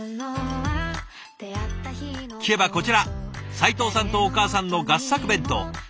聞けばこちら齊藤さんとお母さんの合作弁当。